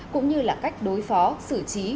cũng như là cách đối phó xử trí